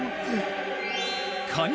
カニ